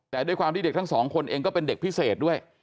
แต่ด้วยความที่เด็กทั้งสองคนเองก็เป็นเด็กพิเศษด้วย